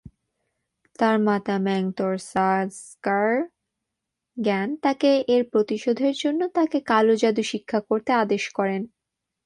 তার মাতা ম্যাং-র্ত্সা-দ্কার-র্গ্যান তাকে এর প্রতিশোধের জন্য তাকে কালো জাদু শিক্ষা করতে আদেশ করেন।